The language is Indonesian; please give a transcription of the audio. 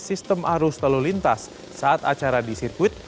sistem arus lalu lintas saat acara di sirkuit